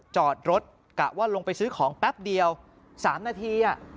จอดรถกะว่าลงไปซื้อของแป๊บเดียว๓นาที